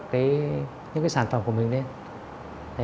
cái sản phẩm của mình lên